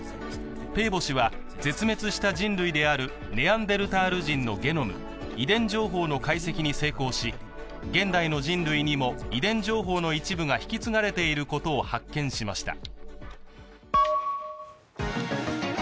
ペーボ氏は、絶滅した人類であるネアンデルタール人のゲノム＝遺伝情報の解析に成功し、現代の人類にも遺伝情報の一部が引き継がれていることを発表しました。